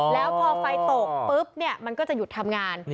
แล้วพอไฟตกปุ๊บมันก็จะหยุดทำงาน